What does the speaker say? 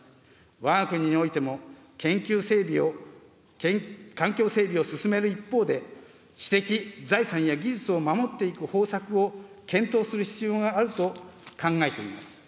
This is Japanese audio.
わが国においても、研究整備を、環境整備を進める一方で、知的財産や技術を守っていく方策を検討する必要があると考えています。